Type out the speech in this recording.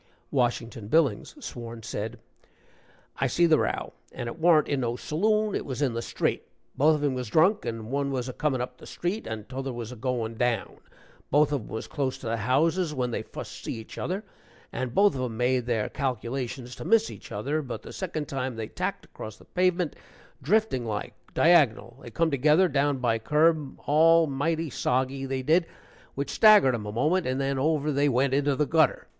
Washington Billings, sworn, said: "I see the row, and it warn't in no saloon it was in the street. Both of 'em was drunk, and one was a comin' up the street, and t'other was a goin' down. Both of 'em was close to the houses when they fust see each other, and both of 'em made their calculations to miss each other, but the second time they tacked across the pavement driftin' like, diagonal they come together, down by curb al mighty soggy, they did which staggered 'em a moment, and then, over they went, into the gutter.